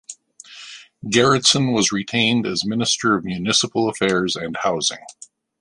Gerretsen was retained as Minister of Municipal Affairs and Housing.